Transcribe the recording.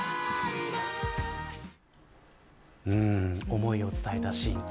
思いを伝えたシーン。